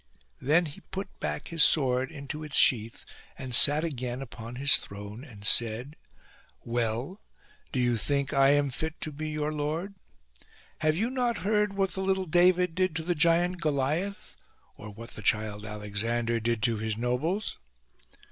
Then he put back his sword into its sheath and sat again upon his throne and said :" Well, do you think I am fit to be your lord ? Have you not heard what the little David did to the giant Goliath, or what the child Alexander did to his nobles